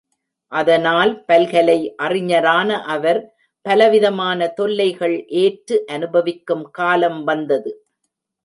அதனால் பல்கலை அறிஞரான அவர், பலவிதமான தொல்லைகள் ஏற்று அனுபவிக்கும் காலம் வந்தது.